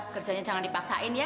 kerjanya jangan dipaksain ya